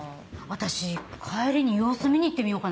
私帰りに様子見にいってみようかな。